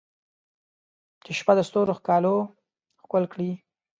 چې شپه د ستورو ښکالو ښکل کړي